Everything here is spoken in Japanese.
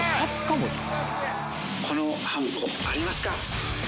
このはんこありますか？